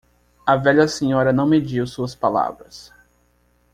A velha senhora não mediu suas palavras.